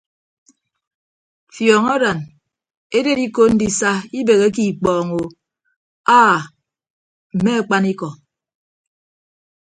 Fiọñ aran eded iko ndisa ibeheke ikpọño aa mme akpanikọ.